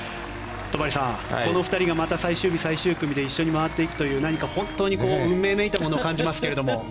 戸張さん、この２人がまた最終日、最終組で一緒に回っていくという運命めいたものを感じますけど。